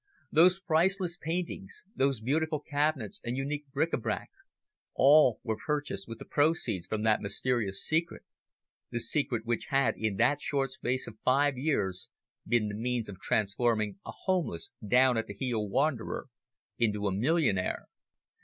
Those priceless paintings, those beautiful cabinets and unique bric a brac all were purchased with the proceeds from that mysterious secret, the secret which had in that short space of five years been the means of transforming a homeless, down at heel wanderer into a millionaire.